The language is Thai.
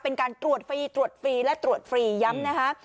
เป็นการตรวจฟรีตรวจฟรีและตรวจฟรีย้ำนะคะ